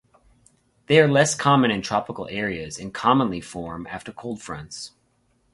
They are less common in tropical areas and commonly form after cold fronts.